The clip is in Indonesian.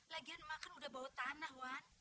lagian mak kan udah bawa tanah wan